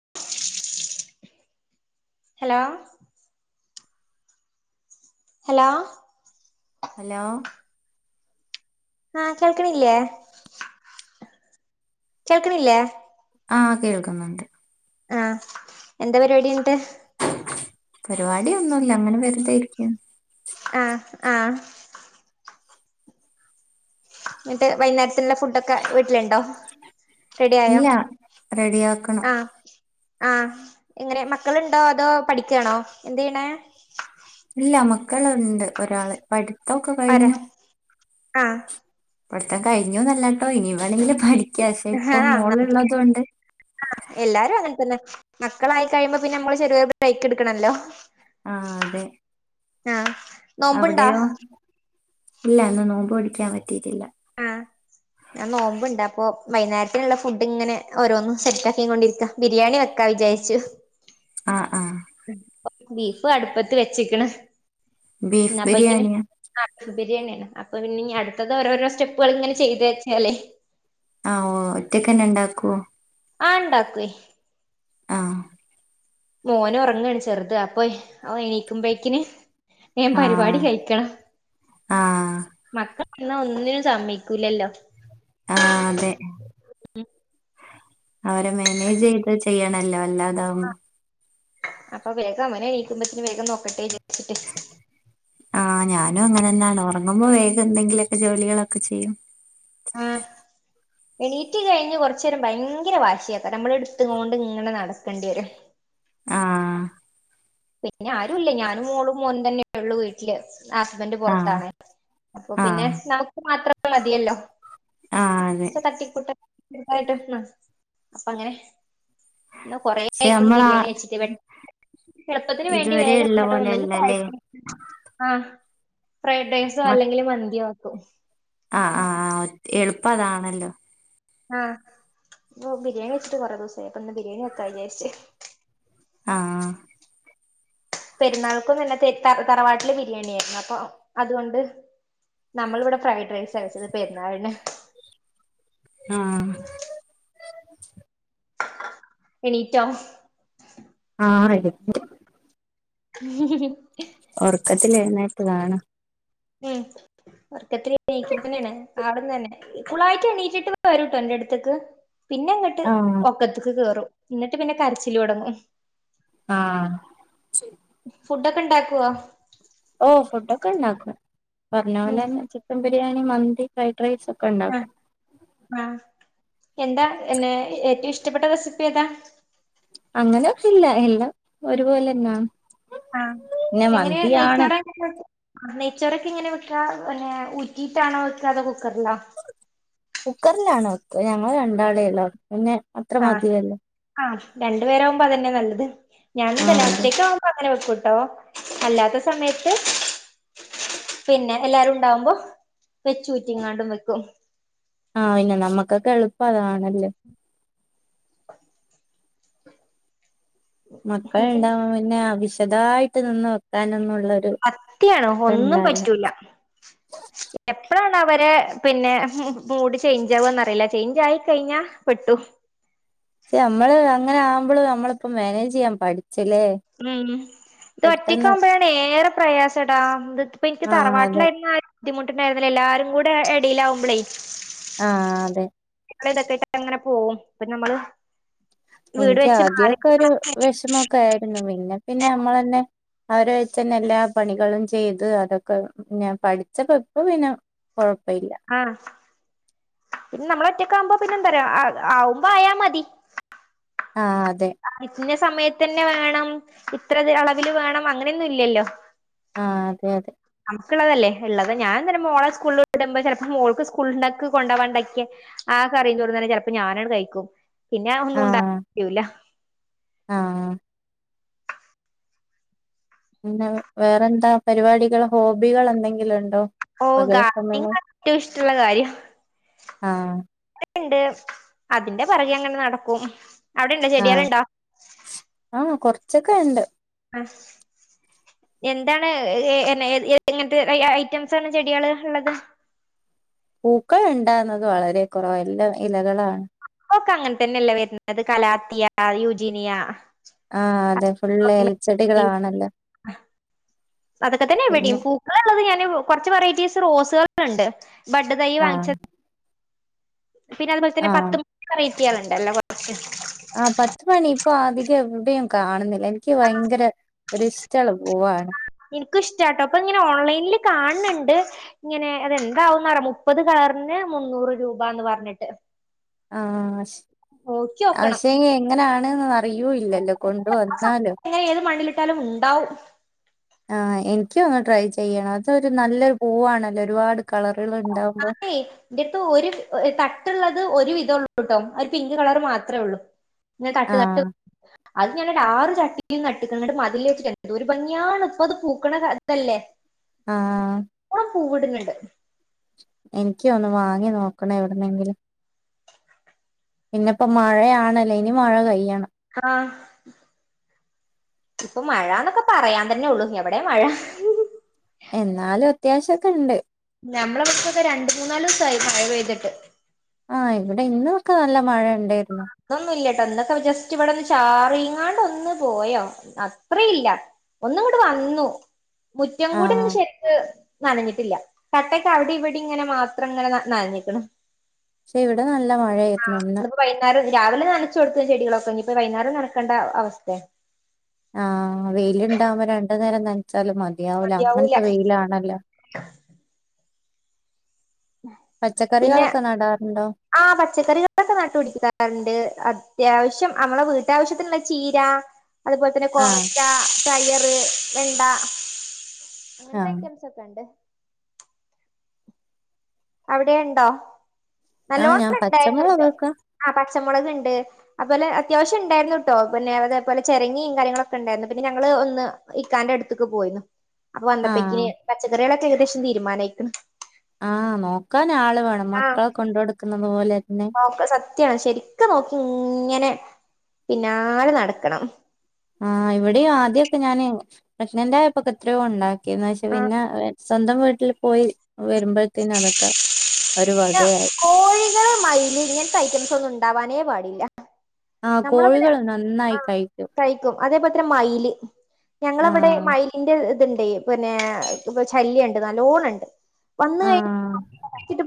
[unintelligible] Hello hello ആഹ കേൾക്കണില്ലേ കേൾക്കണില്ലേ ആഹ കേൾക്കുന്നുണ്ട് ആഹ എന്താ പരിപാടിണ്ട് പരിപാടിിയൊന്നുംല്ല അങ്ങനെ വെറുതൊയിരിക്കുണ് ആഹ ആഹ എന്നിട്ട് വയനാട്ട ഫുഡൊക്കെ വീട്ടിലുണ്ടോ റെഡി ആയോ ഇല്ല റെഡിയാക്കണം ആ ആഹ എങ്ങനെ മക്കളുണ്ടോ അതോ പഠിക്കണോ എന്ത് ചെയ്യണ ഇല്ല മക്കള ഉണ്ട് ഒരാള് പഠിത്തമൊക്കെ കഴിഞ്ഞു ആഹ [unintelligible] പഠത്തം കഴിഞ്ഞോ നല്ല കേട്ടോ ഇനി വേണെങ്കില് പഠിക്ക ആഹ ന ആ എല്ലാരും അങ്ങനെ തന്നെ മക്കളായി കഴിയുമ്പോ പിന്നെ നമ്മള് ചെറിയരു ബ്രേക്ക് എടുക്കണല്ലോ ആഹ അതെ ആഹ നോമ്പുണ്ടാ അവിടെയോ ഇല്ല എന്നന്ന് നോമ്പ് പിടിക്കാൻ പറ്റിയിട്ടില്ല ആഹ ഞാൻ നോമ്പുണ്ടണ്ട് അപ്പോൊ വൈകേരത്തിലുള്ള ഫുഡ് ഇങ്ങനെ ഓരോന്നും സെറ്റ് ആാക്കി കൊണ്ടിരിക്കാം ബിരിയാണി വ പക്കവി ജായിച്ചു ആ ആഹ ബീഫും അടുപ്പത്ത് വെച്ചിക്കണ് ബീഫ് ബിരിയാണിയാ എന്നപ്പക്ക ബിരിയാണിയാണ് അപ്പൊ പിന്നെ ഇനി അടുത്തത് ഓരോരോ സ്റ്റെപ്പുകൾ ഇങ്ങനെ ചെയ്ത് വച്ചാലേ ആ ഓ ഒറ്റക്കന്നെ ഉണ്ടാക്കുവോ ആ ഉണ്ടാക്കേ ആഹ [unintelligible] മോന ഉറങ്ങാണ് ചെറുത് അപ്പൊ അവ എനീക്കുമ്പോഴക്കിന് ഞൻ പരിപാടി ആഹ് കഴിക്കണം ആഹ് മക്കൾ എന്നാ ഒന്നിനും സമ്മക്കൂല്ലല്ലോ ആഹ അതെ അവരെ മാനേജ് ചെയ്ത് ചെയ്യണല്ലോ വല്ലാതാവുമ്പോ അപ്പൊ വേഗം അവനെ നീക്കുമ്പത്തന് വേഗം നോക്കട്ടെ വിചാരിച്ചിട്ട് ആഹ ഞാനും അങ്ങനെ ന്താണ് ഉറങ്ങുമ്പോ വേഗം എന്തെങ്കിലുമൊക്കെ ജോലികളൊക്കെ ചെയ്യും ആ [inaudible] എണീറ്റ് കഴിഞ്ഞ് കുറച്ച നേരം ഭയങ്കര വാശിയക്ക നമ്മള എടുത്ത കൊണ്ട് ഇങ്ങനെ നടക്കേണ്ടി വരും ആഹ് പിന്നെ ആരുല്ലേ ഞാനും മോളും മോനും തന്നെയ ഉള്ളു വീട്ടില് ഹസ്ബൻഡ് ആഹ് പുറത്തണ അപ്പൊ പിന്നെ ആഹ് നമുക്ക് മാത്രമ മതിയല്ലോ ആഹ് അതെ പ തട്ടിക്കൂട്ടായിട്ട് അപ്പ അങ്ങനെ എന്ന കൊറ പക്ഷെ ആയിക്കോണ്ട് നമ്മളാ ബിരിയാണി വെച്ചിട്ടേ ചെറുപ്പത്തിന് വേണ്ടി ഇതുവരെ വേഗം ഉള്ള കിട്ടണംെങ്കിൽ പോലെയല്ലല്ലേ പ്രില്ല ആഹ ഫ്രൈഡ് റൈസോ മ അല്ലെങ്കില് മന്തിയോ ആക്കും ആഹ് ആ് ആ എളുപ്പം അതാണല്ലോ ആഹ ഇ ബിരിയാണി വെച്ചിട്ട് കൊറെേ ദിവസമായി അപ്പ ഇന്ന് ബിരിയാണി വക്കാ വിചാരിച്ചു ആഹ [unintelligible] പെരുന്നാൾക്കുംല്ലെ ത തറവാട്ടില് ബിരിയാണി ആയിരുന്നു അപ്പൊ അതുകൊണ്ട് നമ്മളിവിടെ ഫ്രൈഡ് റൈസ് അയച്ചത് പെരുന്നാളിന് ആഹ [unintelligible] എണീറ്റോ ആഹ [unintelligible] ഉ [inaudible] ഉറക്കത്തിലായി എന്നായിട്ട് കാണും ഉം [inaudible] വർക്കത്തിക്കന്നെയാണ് അവിടന്ന തന്നെ ഫുളായിട്ട് എണീറ്റിട്ട് വരൂട്ടോ എന്റെ അടുത്തേക്ക് പിന്നെ ഇങ്ങിട്ട് ആഹ് ഒക്കത്തക്ക് കേറും എന്നിട്ട് പിന്നെ കരച്ചിൽ മുടങ്ങും ആഹ [unintelligible] ഫുഡ ഒക്കെ ഉണ്ടാക്കുവോ ഓ ഫുഡ് ഒക്കെ ഉണ്ടാക്കും പറഞ്ഞ പോലെ ഉം തന്നെ ചിക്കൻ ബിരിയാണി മന്തി കൈ ഫൈട്രൈസ് ഒക്കെ ആഹ് ഉണ്ടാക്കും ആഹ് എന്താ എന്നെ ഏറ്റവും ഇഷ്ടപ്പെട്ട റെസിപ്പി ഏതാ അങ്ങനെഇല്ല എല്ലാം ഒരുപോലെന്നാ ആഹ എങ്ങനെയാ നെയച്ചാറ നെയച്ചോറൊക്കെ ഇങ്ങനെ വെക്കാ പിന്നെ ഊറ്റിയിട്ടാണോ വെക്കാതെ കുക്കറിലണ ഞങ്ങൾ രണ്ടാളെയല്ലോ പിന്നെ അത്ര മതിയയല്ലേ രണ്ടു പേരാ ആകുമ്പോ അതന്നെ നല്ലത് ഞാന എല്ല ആഹ് അതെ ഒറ്റേക്ക ആവുമ്പ അങ്ങന വെക്കട്ടോ അല്ലാത്ത സമയത്ത് പിന്നെ എല്ലാരും ഉണ്ടാവുമ്പോ വെച്ചഊറ്റി ഇങ്ങാണ്ടും വെക്കും ആഹ പിന്നെ നമ്മക്കൊക്കെ എളുപ്പം അതാണല്ലേ മക്കളുണ്ടാവ പിന്നെ വിശദായിട്ട് നിന്ന് വെക്കാനൊന്നും കത്തിയാണ് ഒന്നും പറ്റൂല്ല എപ്പഴാണ് അവരെ പിന്നെ മൂട് ചേഞ്ച് ആവന്ന്റിയില്ല ചേഞ്ച് ആയി കഴിഞ്ഞാ പെട്ടു നമ്മള് അങ്ങനെ ആവുമ്പോള് നമ്മളിപ്പ മാനേജ് ചെയ്യാൻ പ ആന ഇത് പെട്ടെന്ന് ഒറ്റിക്കാവുമ്പോഴാണ് ഏറെ പ്രയാസം എടാ ഇപ്പോ എനിക്ക് ആഹ് അതെ തറവാട്ടിലായിുന്ന ബുദ്ധിമുട്ടുണ്ടായിരുന്നേ എല്ലാരും കൂടെ ഇടയിലാവുമ്പളേ ആഹ അതെ ന ഇതൊക്കെട്ട് അങ്ങനെ പോകവും ഇ നമ്മള് വീട് എനിക്ക് വെച്ച് മാറി ആദ്യമൊക്കെ ഒരു വിഷമൊക്കെ ആയിരുന്നു പിന്നെ പിന്നെ നമ്മള തന്നെ അവര വെച്ചന്നെ എല്ലാ പണികളും ചെയ്തു അതൊക്കെ ഞാൻ പഠിച്ച പപ്പ പിന്നെ കുഴപ്പ ആ പിന്നെ നമ്മള ഒറ്റക്കെ ആകുമ്പോ പിന്നെ എന്താ പറയാ ആവുമ്പോ ആയാ മതി ആ അതെ സമയത്ത് തന്നെ വേണം ഇത്ര അളവിൽ വേണം അങ്ങനെയൊന്നും ഇല്ലല്ലോ ആഹ അതെ അതെ ള്ളതല്ലേ ഉള്ളത് ഞാൻ തന്നെ മോളെ സ്കൂളിൽ ഇടുമ്പോ ചിലപ്പോ മോക്ക് സ്കൂളെ കൊണ്ട പോവാണ്ടക്കെ ആ കറിം ചേറും തന്നെഞാനും ഞാനട് കഴിക്കും പിന്നെ ഒന്നും ഉണ്ടാൂല ആഹ പിന്ന വേറെന്താ പരിപാടികൾ ഹോബികൾ എന്തെങ്കിലും ഉണ്ടോ ഓ പകൽ സമയങ്ങൾ ഗങ്ങ ഏറ്റവും ഇഷ്ടമുള്ള കാര്യം ആഹ ണ്ട് അതിന്റെ പറകെ അങ്ങനെ നടക്കും അവിടെണ്ടോ ആഹ് ചെരിയാലുണ്ടോ ആഹ് കൊറച്ചൊക്കെ ഉണ്ട് ആ എന്താണ് ഏ ഇങ്ങനത്തെ ഐറ്റംസണ് ചെടികള് ഉള്ളത് പൂക്കൾ ഉണ്ടാവുന്നത് വളരെ കുറവ എല്ലാം ഇലകളാണ് ഓക്ക അങ്ങനെ തന്നെയല്ലേ വരുന്നത് കലാത്തിയാ യുജിനിയാ ഫുള് എൽച്ചെഡികളാണല്ലോ അതൊക്കെ തന്നെ എവിടയും പൂക്കള ഉള്ളത് ഞാൻ കുറച്ച് വെറൈറ്റി റോസുകളണ്ട് ബഡ് തൈ ആഹ് വാങ്ങിച്ചത് പിന്നെ അതുപോലെ തന്നെ ആഹ് പത്ത് മണി വെറൈറ്റിണ്ടല്ലോ കൊറച്ച് ആ പത്ത മണി ഇപ്പൊ അധികം എവിടെയും കാണുന്നില്ല എനിക്ക് ഭയങ്കര ഒരിഷ്ടമുള്ള പോൂവാണ് എനിക്കും ഇഷ്ടാട്ടോ അപ്പൊ ഇങ്ങനെ ഓൺലൈനിൽ കാണണ്ട് ഇങ്ങനെ അതെന്താവന്ന്റിയ മുപ്പത് കളറിന് മുന്നൂറ് രൂപന്ന് പറഞ്ഞിട്ട് ആഹ അവശ നോക്കിയോക്കണം എങ്ങനാണ് അല്ലല്ലോ കൊണ്ട വന്നാലോ അങ്ങനെ ഏത് മണ്ണിലിട്ടാലും ഉണ്ടാവും ഒരിക്കും ഒന്ന് ട്രൈ ചെയ്യണം അതൊരു നല്ലരു പൂവാണല്ലോ ഒരുപാട് കളറുകൾ ഉണ്ടാവുമ്പോ ആണേ എന്റെത്ത് ഒരു തട്ടുള്ളത് ഒരു വിധ ള്ളൂട്ട പിങ്ക് കളർ മാത്രേ ഉള്ളൂ തട്ട് ത് ആഹ് അ ഡാ നട്ടിക്കട്ടും മതില് വെച്ചിട്ട് എന്തോ ഒരു ഭംഗിയാണ് ഇപ്പൊ അത് പൂക്കണ അതല്ലേ ആഹ പൂവിടുന്നുണ്ട് എനിക്ക ഒന്ന്ു വാങ്ങി നോക്കണ എവിടുന്നെങ്കിലും പിന്നെപ്പോ മഴയാണല്ലേ ഇനി മഴ കെയ്യണം ആഹ ഇപ്പൊ മഴന്നൊക്കെ പറയാൻ തന്നെ ഉള്ളു എവിടെ മഴ എന്നാലും അത്യാവശ്യംൊക്കെ ഉണ്ട് ഞമ്മെ പത്തൊക്കെ രണ്ട് മൂന്നാല് ദിവസമായി മഴ പെയ്തിട്ട് ആഹ ഇവിടെ ഇന്നൊക്കെ നല്ല മഴ ഉണ്ടായിരുന്നു ഒന്നും ഇല്ല ൊക്കെ ജസ്റ്റ് ഇവിടെ ഒന്ന് ചാറിങ്ങാണ്ട് ഒന്ന് പോയോ അത്ര ഇല്ല ഒന്നുംോട്ട വന്നു മുറ്റംകൂടിന്ന് ആഹ് ശക്ക് നനഞ്ഞിട്ടില്ല കട്ടക്ക് അവിടെ ഇവിടെ ഇങ്ങനെ മാത്രം ഇങ്ങനെ നനഞ്ഞിിക്കണം പക്ഷെ ഇവിടെ നല്ല മഴായിുന്നുന്ന് വൈകുന്നേരം രാവിലെ നനച്ചു കൊടുത്തുന്ന ചെടികളൊക്കെ ഇനിപ്പോ വൈകേരം നടക്കേണ്ട അവസ്ഥ ആഹ വെയിലുണ്ടാകുമ്പോ രണ്ട നേരം നനച്ചാലും മതിയാവൂല അങ്ങനത്തെ വെയിലാണല്ലോ പിന്നെ പച്ചക്കറികളൊക്കെ നടാറുണ്ടോ ആ പച്ചക്കറികളൊക്കെ നട്ട് പിടിക്കാറുണ്ട് അ അത്യാവശ്യം നമ്മളെ വീട്ടാവശ്യത്തിനുള്ള ചീര അതുപോലെ തന്നെ ആഹ് കൊഴച്ച തയറ് വെണ്ട അങ്ങനത്തെ ആഹ് ക്കംസ് ഒക്കെ ഉണ്ട് അവിടെ ഉണ്ടോ ആഹ് ഞാൻ നല്ലോണംണ്ടായിരുന്നുട്ട പച്ചമുളകൊക്കെ പച്ചമുളക് ഉണ്ട് അതുപലെ അത്യാവശ്യം ഉണ്ടായിരുന്നു കേട്ടോ പിന്നെ അതേപോലെ ചിരങ്ങിയും കാര്യങ്ങളൊക്കെ ഉണ്ടായിരുന്നു പിന്നെ ഞങ്ങള്ൾ ഒന്ന് ഇക്കാൻന്റെ അടുത്തേക്ക് പോയിന്ന അപ്പൊ വന്നപ്പേക്ക്ന് ആഹ് പച്ചക്കറികളൊക്കെ ഏകദേശം തീരുമാനയ്ക്ക്ണ് ക്കാനാള് വേണം മക്കളെ കൊണ്ടട്ക്ക്ന്ന പോലെ തന്നെ ആഹ് ഒക്കെ സ ത്യാണ് ശരിക്ക് നോക്കിങ്ങനെ പിന്നാലെ നട്ക്കണം ആഹ് ഇവടിം ആദ്യൊക്കെ ഞാന് പ്രെഷ്നെന്റായപ്പൊക്കെത്രോ ണ്ടാക്കീര്ന്ന് പക്ഷെ ആ പിന്നെ [unintelligible] സ്വന്തം വീട്ട്ല് പോയി വെര്മ്പഴ്ത്തിനതക്കാ പിന്നെ കോഴികൾ മയില് ഇങ്ങൻത്തെ ഐറ്റംസാെന്നും ണ്ടാവാനേ പാടില്ലാ ആഹ് കോഴികള് നന്നായി കഴിക്കും അതേപോൽ തന്നെ മയ്ല് ഞങ്ങളെവടെ ആഹ് മയ്ലിന്റ് ത്ണ്ടേ പ്ന്നെ ശല്യണ്ട് നല്ലോണണ്ട് ആഹ്.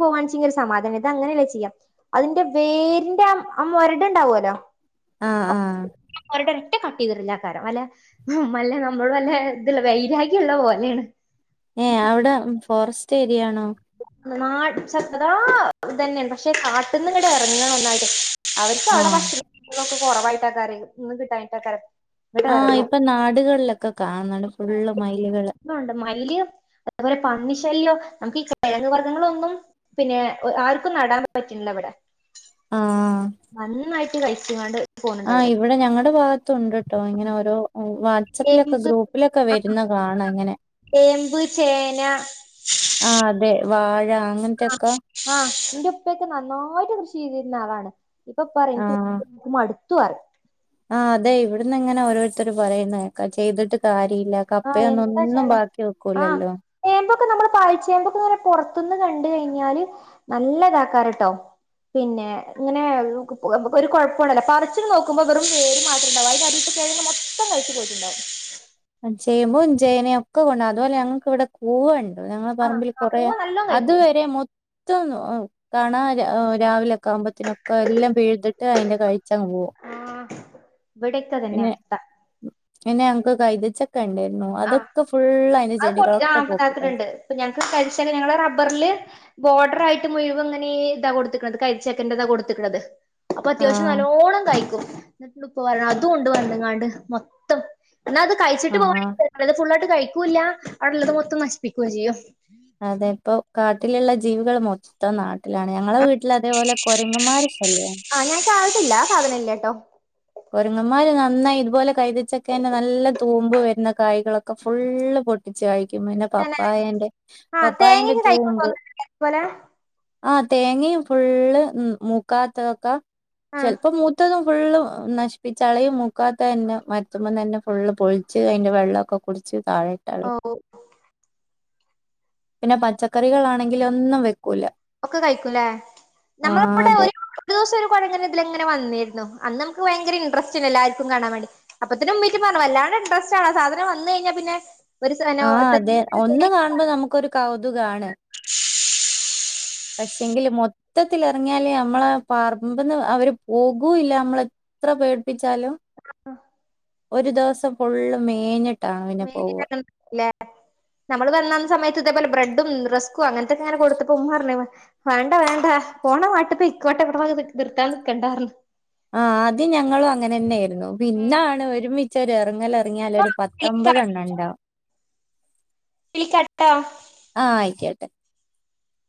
പോവാന്ന് വെച്ചെങ്കി സമാധാനം ഇത അങ്ങനെയല്ല ചെയ്യാം അതിന്റെ വേരിന്റെ മൊരട് ഉണ്ടാവല്ലോ ആഹ് ആഹ്. മ കട്ട് ചെയ്തിറിഞ്ഞ കാരം അല്ല മല്ല നമ്മള് വല്ല ഇല്ല വൈരാഗ്യം ഉള്ള പോലെയാണ്. ഏഹ് അവിടെ ഫോറസ്റ്റ് ഏരിയ ആണോ? നാട്ടിച്ചദ്ര ഇത് തന്നെയ പക്ഷെ കാട്ടിന്നിങ്ങട് ഇറങ്ങണം ന്നായിട്ട്. അവർക്കവിടെ ആഹ് ഭക്ഷണോക്കെ കുറവായിട്ടാക്കാരെ ഒന്ന് കിട്ടാനായിട്ടൊക്കാരെ ആഹ് ഇപ്പൊ നാടുകളിലൊക്കെ കാണണ്ട് ഫുള്ള് മൈലുകള് ഇലിയോ അത് പോലെ പന്നി ശല്യം നമുക്കി കെഴങ്ങ് വർഗ്ഗങ്ങളൊന്നും പിന്നെ ആർക്കും നടാൻ പറ്റില്ല ഇവിടെ. ആഹ് നന്നായിട്ട് കഴിച്ച്ങ്ങാണ്ട് ആഹ് ഇവിടെ ഞങ്ങടെ ഭാഗത്തുണ്ട് കേട്ടോ ഇങ്ങനെ ഓരോ വാട്ട്സപ്പിലൊക്കെ ചേമ്പ് ഗ്രൂപ്പിലൊക്കെ ആ വരുന്നെ കാണ ഇങ്ങനെ ചേമ്പ് ചേന. ആഹ് അതെ വാഴ അങ്ങനത്തെക്കെ ആഹ് ആഹ് എന്റെ ഉപ്പൊക്കെ നന്നായിട്ട് കൃഷി ചെയ്തിരുന്ന ആളാണ്. ഇപ്പൊ പറ ആഹ് എനിക്ക് മടുത്തുറിം ആഹ് അതെ ഇവിടന്ന് ഇങ്ങനെ ഓരോരുത്തർ പറയുന്നെക്ക ചെയ്തിട്ട് കാര്യ രില്ല ആഹ് കപ്പയൊന്നും എന്താ ഒന്നും ചെയ്യണ ബാക്കി ആഹ് വെക്കൂലല്ലോ. ചേമ്പൊക്കെ നമ്മള് പാഴ്ചയുമ്പോക്കെ പുറത്തുന്ന് കണ്ട് കഴിഞ്ഞാല് നല്ല ഇതാക്കാരാട്ടോ. പിന്നെ ഇങ്ങനെ ഒരു കുഴപ്പാണ് ലോ പറച്ച് നോക്കുമ്പോ വെറും വേര് മാത്രം ഉണ്ടാവും [inaudible] [unintelligible] മൊത്തം കഴിച്ച് പോയിട്ടുണ്ടാവും. ചേയ്മ്പും ചേനയും ഒക്കെ കൊണ്ട അതുപോലെ ഞങ്ങക്ക് ഇവിടെ കൂവണ് ഞങ്ങള് ആഹ് പറമ്പിൽ ആഹ് കൊറെ പൂവ് നല്ലോം കഴിക്കും അതുവരെ മൊത്തന്നു കാണാ രാവിലെ ഒക്കെ ആവുമ്പോത്തനൊക്കെ എല്ലാം പിഴ്തിട്ട് അതിന്റെ കഴിച്ചങ്ങ് പോവും. ആഹ് ഇവിടൊക്കെ അതന്നെ പിന്നെ അസ്ഥ. പിന്നെ ഞങ്ങക്ക് കൈതച്ച ആഹ് അത് പൊട്ട് ചെടികളൊക്കെ ആഹ് [unintelligible] പോക്കിക്കളഞ്ഞു ണ്ട് ഇപ്പ ഞങ്ങക്ക് തരിശാണ് ഞങ്ങള് റബ്ബർല് ബോർഡർ ആയിട്ട് മുയുവൻ ഇങ്ങനേ ഇതാ കൊടുത്ത്ക്ക്ണത് കൈതച്ചക്കന്റെതാ കൊട്ത്ത്ക്ക്ണത്. അപ്പൊ അത്യാവശ്യം ആഹ് നല്ലോണം കായ്ക്കും ഇന്ന്ട്ട്ണ്ട് ഉപ്പ പറിണ് അതുംണ്ട് വന്ന്ങ്ങാണ്ട് മൊത്തം ഇന്നാ അത് കയിച്ചി്ട്ട് ആഹ് പോവാണെങ്കി കൊയപ്പല്ല. ഇത് ഫുള്ളായിട്ട് കഴിക്കൂല്ല അവടെള്ളത് മൊത്തം നശിപ്പിക്കും ചിയ്യും. അതെ ഇപ്പോ കാട്ടില്ള്ള ജീവികൾ മൊത്തം നാ ട്ടിലാണ് ഞങ്ങളെ വീട്ടില് അതേപോലെ കൊരങ്ങമ്മാരെ ശല്യാണ്. ആ ഞാൻ കാവത്തില്ല ആ സാധനം ഇല്ലട്ടോ കൊരങ്ങമ്മാര് നന്നായി ഇതുപോലെ കൈതച്ചക്കെന്നെ നല്ല തൂമ്പ് വര്ന്ന കായ്കളൊക്കെ ഫുള്ള് പൊ ക്കും പിന്നെ തന്നെ കപ്പായൻ്റെ ആ പപ്പായന്റെ തേങ്ങയൊക്കെ കഴിക്കും തൂമ്പ് തോന്നുന്നുണ്ട് പോലെ ആഹ് തേങ്ങയും ഫുള്ള് ഉം മൂക്കാത്തതൊക്കെ ആ ചെലപ്പം മൂത്തതും ഫുള്ള് നശിപ്പിച്ചളയും മൂക്കാത്തതന്നെ മരത്തുമ്മന്നെന്നെ ഫുള്ള് പൊള്ച്ച് അയ്ന്റെ വെള്ളൊക്കെ കുടിച്ച് ഓ താഴട്ടളയും പിന്നെ പച്ചക്കറികളാണെങ്കിലൊന്നും വെ ഒക്കെ കയ്ക്കും ലേ ആ നമ്മളവിടെ അതെ ഒരു ദിവസം ഒരു കൊരങ്ങന് ഇതിലെങ്ങനെ വന്നീര് ന്നു അന്ന് നമുക്ക് വയങ്കര ഇൻട്രസ്റ്റ് ഏനു എല്ലാർക്കും കാണാൻ വേണ്ടി അപ്പത്തിന് ഉമ്മീറ്റും പറഞ്ഞു വല്ലാണ്ടെ ഇൻട്രസ്റ്റ് ആവ സാധനം വന്ന് കയ്ഞ്ഞാ പിന്നെ ഒരു ആഹ അതെ ഒന്ന് കാണുമ്പോ നമുക്കരു കൗതുകമാണ് പക്ഷെങ്കില് മൊത്തത്തിൽ ഇറങ്ങിയാല് നമ്മളെ പറമ്പന്ന് അവര് പോകൂല്ല നമ്മള എത്ര പേടിപ്പിച്ച ചലും ഒരു ദിവസം ഫു ള്ളും മേഞ്ഞിട്ട് [unintelligible] നമ്മള് വന്ന സമയത്ത് ഇതേപോലെ ബ്രെഡ് സ്കും അങ്ങനത്തൊക്കെ അങ്ങനെ കൊടുത്തപ്പോ ഉമ്മറഞ്ഞ വേണ്ട വണ്ട പോണ പാട്ടിൽ പൈക്കോട്ടെ [unintelligible] നിർത്താൻ നിക്കണ്ടാർന്ന് ആ അത് ഞങ്ങളും അങ്ങനെ തന്നെ ഉം പിന്നാണ് ഒരുമിച്ച ഒരു എറങ്ങലെറങ്ങിയാാല ഒരു വിളിക്കാ പത്തൊമ്പതെണ്ണ ഉണ്ടാവ വിളിക്കട്ടാ [unintelligible]